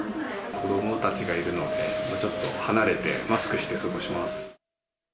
子どもたちがいるので、ちょっと離れて、マスクして過ごします。